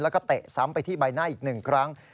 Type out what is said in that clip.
แล้วก็เตะซ้ำไปที่ใบหน้าอีก๑ครั้ง